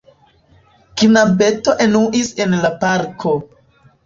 Knabeto enuis en la parko.